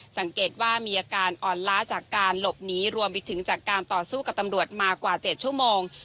สังเกตว่ามีอาการอ่อนล้าจากการหลบหนีรวมไปถึงจากการต่อสู้กับตำรวจมากว่า๗ชั่วโมง